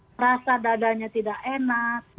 merasa dadanya tidak enak